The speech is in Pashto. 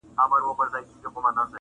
ما په نوم د انتقام يې ته وهلی؛